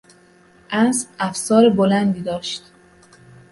اسب افسار بلندی داشت.